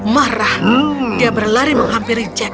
marah dia berlari menghampiri jack